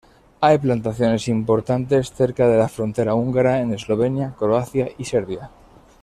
Hay plantaciones importantes cerca de la frontera húngara en Eslovenia, Croacia y Serbia.